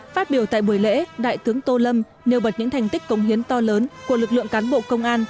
phát biểu tại buổi lễ đại tướng tô lâm nêu bật những thành tích công hiến to lớn của lực lượng cán bộ công an